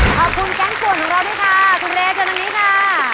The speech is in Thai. ขอบคุณแก๊งป่วนของเราด้วยค่ะคุณเรชนนิดค่ะ